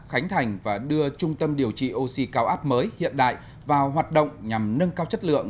khánh thành và đưa trung tâm điều trị oxy cao áp mới hiện đại vào hoạt động nhằm nâng cao chất lượng